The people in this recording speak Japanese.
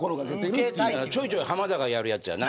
ちょいちょい浜田がやるやつやな。